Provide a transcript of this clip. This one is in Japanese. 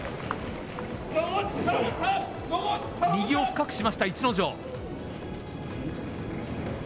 右を深くしました、逸ノ城。